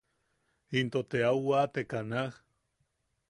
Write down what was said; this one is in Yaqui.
Into te au waateka naaj.